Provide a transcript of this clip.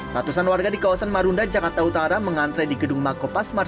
ratusan warga di kawasan marunda jakarta utara mengantre di gedung makopas mar satu